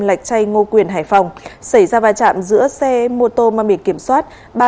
lạch chay ngo quyền hải phòng xảy ra vai trạm giữa xe mô tô mà mình kiểm soát